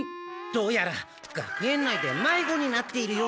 どうやら学園内でまいごになっているようです。